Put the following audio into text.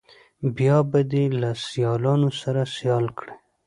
بیا به دې له سیالانو سره سیال کړي.